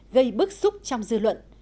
gây bức xúc trong dư luận